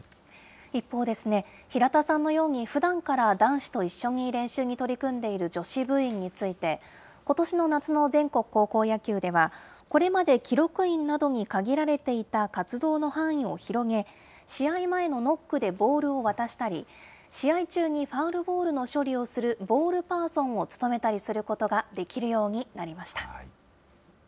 一方、平田さんのようにふだんから男子と一緒に練習に取り組んでいる女子部員について、ことしの夏の全国高校野球では、これまで記録員などに限られていた活動の範囲を広げ、試合前のノックでボールを渡したり、試合中にファウルボールの処理をするボールパーソンを務めたりす